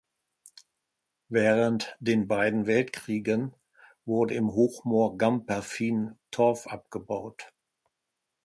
Während den beiden Weltkriegen wurde im Hochmoor Gamperfin Torf abgebaut.